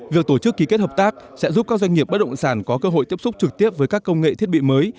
việc tổ chức ký kết hợp tác sẽ giúp các doanh nghiệp bất động sản có cơ hội tiếp xúc trực tiếp với các công nghệ thiết bị mới